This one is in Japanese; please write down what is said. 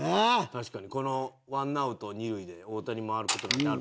確かにこのワンアウト二塁で大谷に回る事なんて。